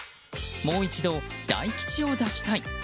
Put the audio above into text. もう一度、大吉を出したい。